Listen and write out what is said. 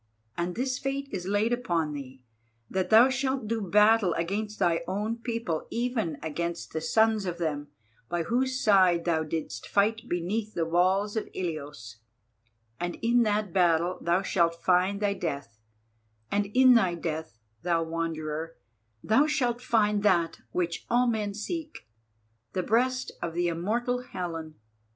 And this fate is laid upon thee, that thou shalt do battle against thy own people, even against the sons of them by whose side thou didst fight beneath the walls of Ilios, and in that battle thou shalt find thy death, and in thy death, thou Wanderer, thou shalt find that which all men seek, the breast of the immortal Helen.